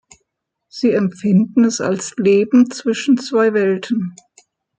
Sie empfinden es als „Leben zwischen zwei Welten“.